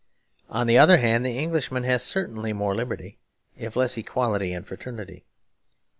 On the other hand the Englishman has certainly more liberty, if less equality and fraternity.